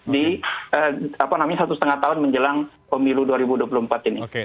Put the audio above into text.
di satu setengah tahun menjelang pemilu dua ribu dua puluh empat ini